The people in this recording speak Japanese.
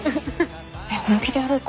えっ本気でやろうかな。